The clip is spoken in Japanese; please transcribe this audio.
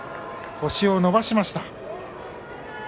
星を伸ばしました。